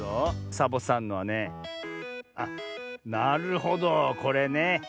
サボさんのはねあっなるほどこれね。